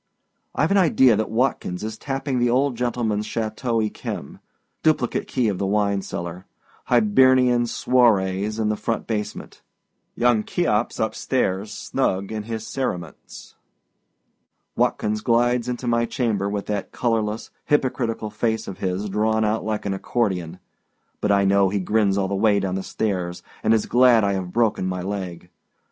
Iâve an idea that Watkins is tapping the old gentlemanâs Chateau Yquem. Duplicate key of the wine cellar. Hibernian swarries in the front basement. Young Cheops up stairs, snug in his cerements. Watkins glides into my chamber, with that colorless, hypocritical face of his drawn out long like an accordion; but I know he grins all the way down stairs, and is glad I have broken my leg.